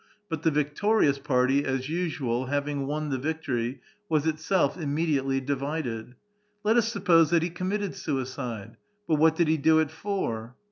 But the victorious party, as usual, having won the victorj*, was itself immediately divided. *^ Let us suppose that be committed suicide. But what did he do it for?"